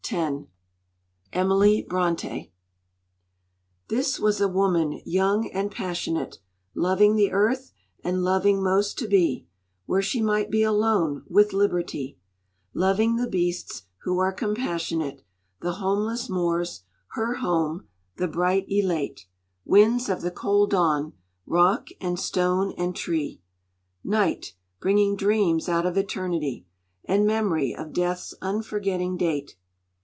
1899. EMILY BRONTË This was a woman young and passionate, Loving the Earth, and loving most to be Where she might be alone with liberty; Loving the beasts, who are compassionate; The homeless moors, her home; the bright elate Winds of the cold dawn; rock and stone and tree; Night, bringing dreams out of eternity; And memory of Death's unforgetting date.